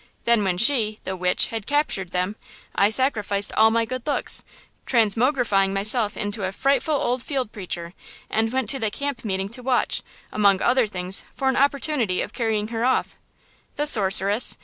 Then, when she, the witch, had captured them, I sacrificed all my good looks, transmogrifying myself into a frightful old field preacher, and went to the camp meeting to watch, among other things, for an opportunity of carrying her off. The sorceress!